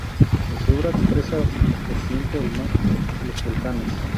En su obra expresa o siente el mar, los volcanes.